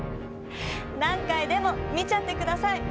何回でも見ちゃってください！